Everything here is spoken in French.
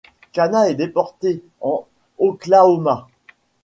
Quanah est déporté en Oklahoma.